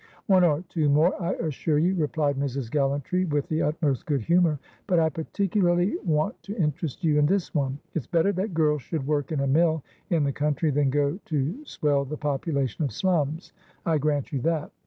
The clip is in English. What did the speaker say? "One or two more, I assure you," replied Mrs. Gallantry, with the utmost good humour. "But I particularly want to interest you in this one. It's better that girls should work in a mill in the country than go to swell the population of slums; I grant you that.